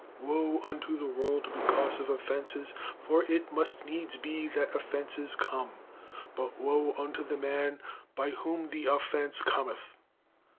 'Woe unto the world because of offences, for it must needs be that offences come, but woe unto the man by whom the offence cometh.